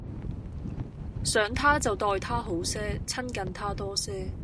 想他就待他好些，親近他多些